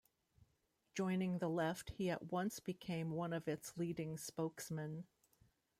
Joining the Left, he at once became one of its leading spokesmen.